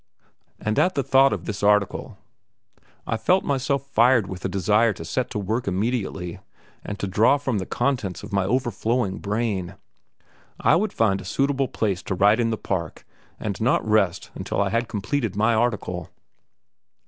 And at the thought of this article I felt myself fired with a desire to set to work immediately and to draw from the contents of my overflowing brain. I would find a suitable place to write in the park and not rest until I had completed my article.